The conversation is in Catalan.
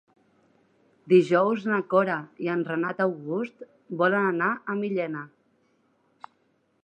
Dijous na Cora i en Renat August volen anar a Millena.